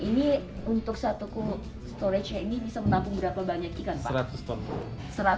ini untuk satu kubur ini bisa menampung berapa banyak ikan pak